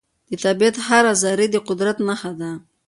د طبیعت هره ذرې د قدرت نښه ده.